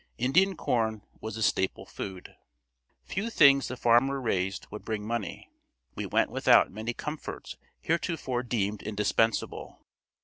Indian corn was the staple food. Few things the farmer raised would bring money. We went without many comforts heretofore deemed indispensable.